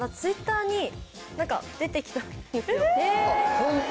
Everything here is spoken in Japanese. ホント。